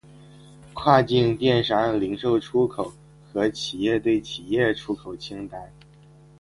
跨境电商零售出口和企业对企业出口清单